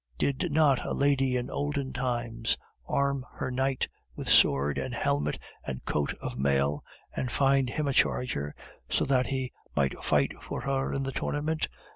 Did not a lady in olden times arm her knight with sword and helmet and coat of mail, and find him a charger, so that he might fight for her in the tournament?